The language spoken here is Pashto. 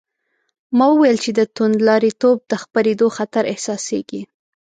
ما وویل چې د توندلاریتوب د خپرېدو خطر احساسېږي.